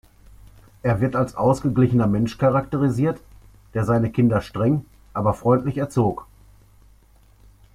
Er wird als ausgeglichener Mensch charakterisiert, der seine Kinder streng, aber freundlich erzog.